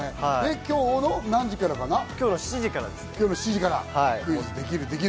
今日の何時からかな？